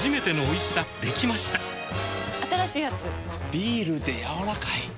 ビールでやわらかい。